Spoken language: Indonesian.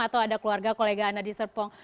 atau ada keluarga kolega anda di serpong